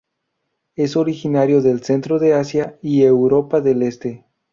El originario del Centro de Asia y Europa del este.